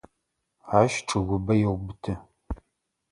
Ащ чӏыгубэ еубыты.